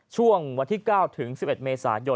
ช่วงวันที่๙ถึง๑๑เมษายน